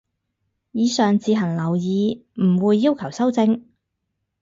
以上自行留意，唔會要求修正